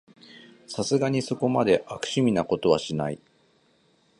さすがにそこまで悪趣味なことはしない